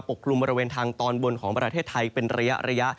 กลุ่มบริเวณทางตอนบนของประเทศไทยเป็นระยะ